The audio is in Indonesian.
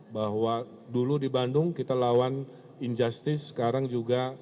bahwa dulu di bandung kita lawan injustice sekarang juga lawanlah ketidakadilan